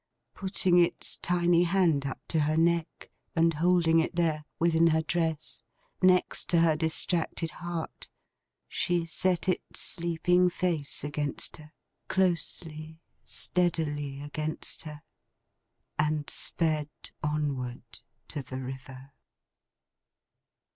Putting its tiny hand up to her neck, and holding it there, within her dress, next to her distracted heart, she set its sleeping face against her: closely, steadily, against her: and sped onward to the River.